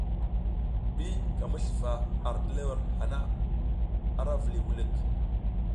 Ɓi ka mi slufa ar ɗerewel na, ara vuliy wulik.